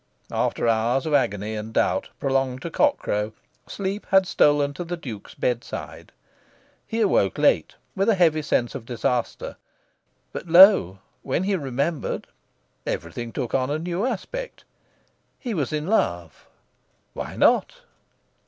After hours of agony and doubt prolonged to cock crow, sleep had stolen to the Duke's bed side. He awoke late, with a heavy sense of disaster; but lo! when he remembered, everything took on a new aspect. He was in love. "Why not?"